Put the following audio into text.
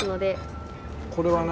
これは何？